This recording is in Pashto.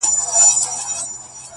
يا الله تې راته ژوندۍ ولره.